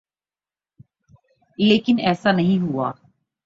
لیکن ایسا نہیں ہوا۔